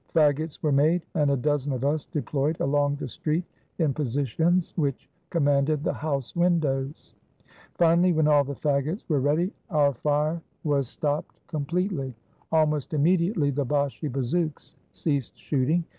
Fagots were made, and a dozen of us deployed along the street in positions which commanded the house windows. Finally, when all the fagots were ready, our fire was 432 AN ATTACK ON THE BASHI BAZOUKS stopped completely. Almost immediately, the Bashi bazouks ceased shooting.